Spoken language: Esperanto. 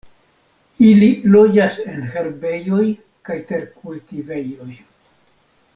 Ili loĝas en herbejoj kaj terkultivejoj.